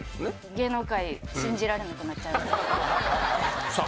芸能界信じられなくなっちゃいますさあ